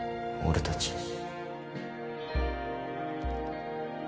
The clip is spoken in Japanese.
俺たち